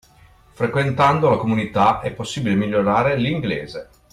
Frequentando le comunità è possibile migliorare l’inglese